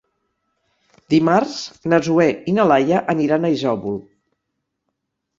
Dimarts na Zoè i na Laia aniran a Isòvol.